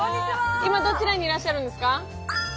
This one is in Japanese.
今どちらにいらっしゃるんですか？